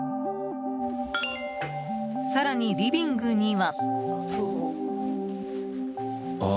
更に、リビングには。